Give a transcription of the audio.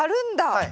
はい。